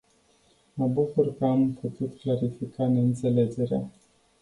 Mă bucur că am putut clarifica neînțelegerea.